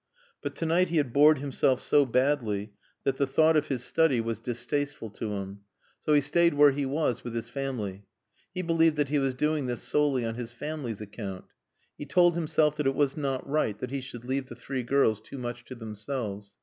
But to night he had bored himself so badly that the thought of his study was distasteful to him. So he stayed where he was with his family. He believed that he was doing this solely on his family's account. He told himself that it was not right that he should leave the three girls too much to themselves.